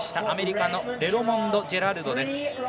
アメリカのレドモンド・ジェラルドです。